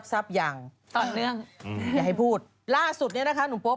มันบอกว่าอีก๔๕นาทีจะไป